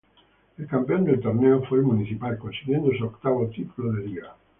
El campeón del torneo fue el Municipal, consiguiendo su octavo título de liga.